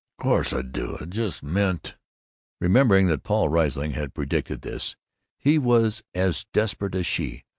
"Of course I do! I just meant " Remembering that Paul Riesling had predicted this, he was as desperate as she.